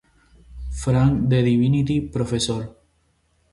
Frank, de "divinity" profesor.